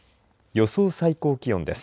予想最高気温です。